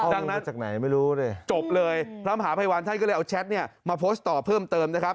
ดังนั้นจบเลยพระมหาภัยวาลท่านก็เลยเอาแชทเนี่ยมาโพสต่อเพิ่มเติมนะครับ